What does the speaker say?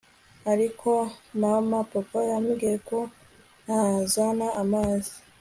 ariko, maama, papa yambwiye ko ntazana amazi